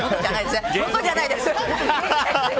元、じゃないですね。